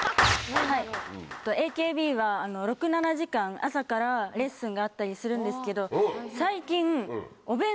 ＡＫＢは６７時間朝からレッスンがあったりするんですけど。